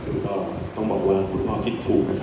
ซึ่งก็ต้องบอกว่าคุณพ่อคิดถูก